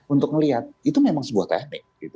untuk melihat itu memang sebuah teknik